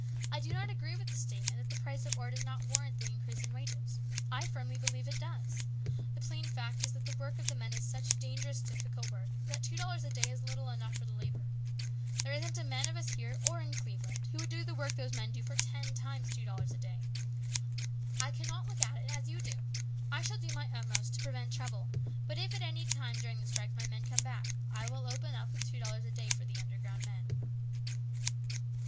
I do not agree with the statement that the price of ore does not warrant the increase in wages. I firmly believe it does. The plain fact is that the work of the men is such dangerous, difficult work that two dollars a day is little enough for the labour. There isn't a man of us here or in Cleveland who would do the work these men do for ten times two dollars a day. I cannot look at it as you do. I shall do my utmost to prevent trouble, but if at any time during the strike my men come back, I will open up with two dollars a day for the underground men."